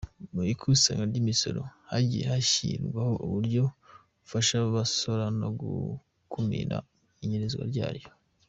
Mu ikusanywa ry’imisoro hagiye hashyirwaho uburyo bufasha abasora no gukumira inyererezwa ryayo.